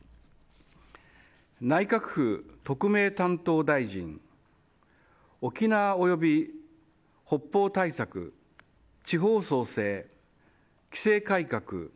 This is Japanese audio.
内閣府特命担当大臣沖縄及び北方対策地方創生、規制改革